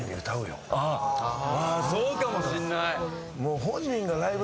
そうかもしんない。